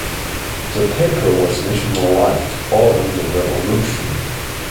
The paper was nationalized following the revolution.